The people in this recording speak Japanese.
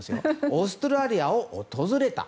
オーストラリアを訪れた。